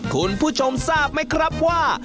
คุณผู้ชมทราบไหมครับว่า